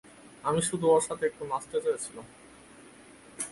আমি শুধু ওর সাথে একটু নাচতে চেয়েছিলাম।